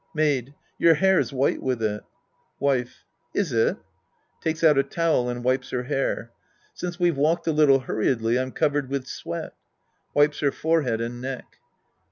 Maid. Your hair's white with it. IVife. Is it ? (Takes out a towel and wipes her hair.) Since we've walked a little hurriedly, I'm covered with sweat. ( Wipes her forehead and neck.)